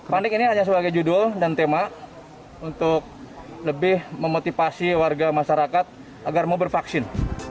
panik ini hanya sebagai judul dan tema untuk lebih memotivasi warga masyarakat agar mau bervaksin